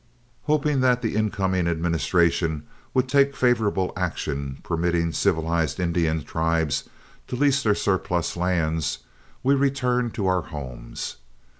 Hoping that the incoming administration would take favorable action permitting civilized Indian tribes to lease their surplus lands, we returned to our homes.